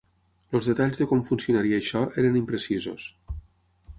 Els detalls de com funcionaria això eren imprecisos.